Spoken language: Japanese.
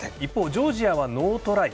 ジョージアはノートライ。